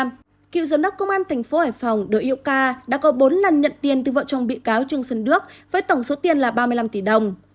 cựu giám đốc công an thành phố hải phòng đội yêu ca đã có bốn lần nhận tiền từ vợ chồng bị cáo trương sơn đước với tổng số tiền là ba mươi năm tỷ đồng